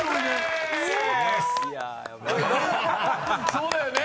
そうだよね。